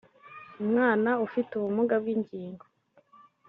umwana ufite ubumuga bw’ingingo